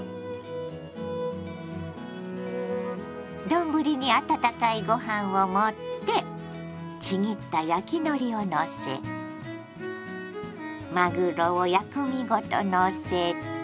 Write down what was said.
丼に温かいご飯を盛ってちぎった焼きのりをのせまぐろを薬味ごとのせて。